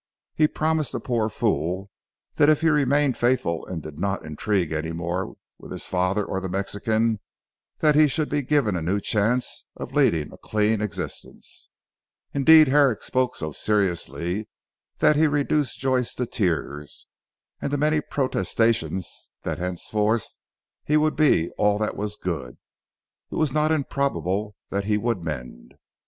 He promised the poor fool, that if he remained faithful and did not intrigue any more with his father or the Mexican, that he should be given a new chance of leading a clean existence. Indeed Herrick spoke so seriously that he reduced Joyce to tears, and to many protestations that henceforward he would be all that was good. It was not improbable that he would mend.